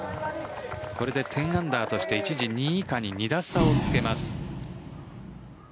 これで１０アンダーとして一時２位以下に２打差をつけます。